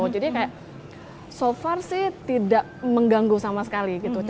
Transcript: jadi kayak so far sih tidak mengganggu sama sekali gitu